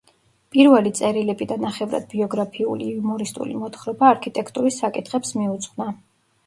პირველი წერილები და ნახევრად ბიოგრაფიული იუმორისტული მოთხრობა არქიტექტურის საკითხებს მიუძღვნა.